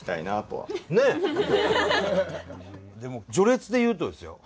でも序列で言うとですよ